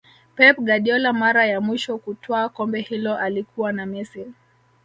pep Guardiola mara ya mwisho kutwaa kombe hilo alikuwa na messi